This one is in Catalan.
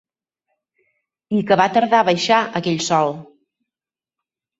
I que va tardar a baixar aquell sol